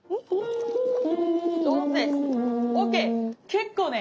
結構ね